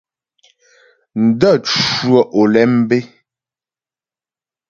N də̂ cwə́ Olémbé.